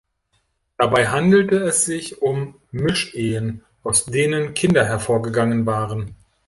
Dabei handelte es sich um Mischehen, aus denen Kinder hervorgegangen waren.